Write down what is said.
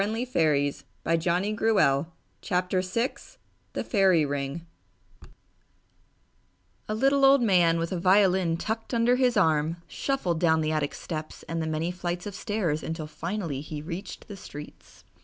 THE FAIRY RING A little old man with a violin tucked under his arm shuffled down the attic steps and the many flights of stairs until finally he reached the streets.